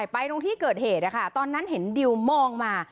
ตรงที่เกิดเหตุตอนนั้นเห็นดิวมองมา